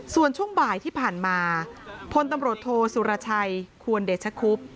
ส่วนช่วงบ่ายที่ผ่านมาพลตำรวจโทสุรชัยควรเดชคุบ